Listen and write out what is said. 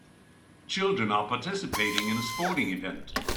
Children are participating in a sporting event.